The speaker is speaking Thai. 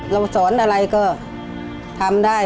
เราสอนอะไรก็ทำได้